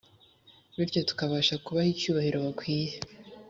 bityo tukabasha kubaha icyubahiro bakwiye,